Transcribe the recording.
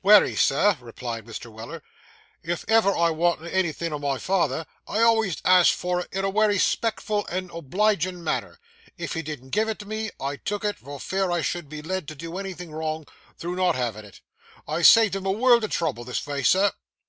'Wery, Sir,' replied Mr. Weller; 'if ever I wanted anythin' o' my father, I always asked for it in a wery 'spectful and obligin' manner. If he didn't give it me, I took it, for fear I should be led to do anythin' wrong, through not havin' it. I saved him a world o' trouble this vay, Sir.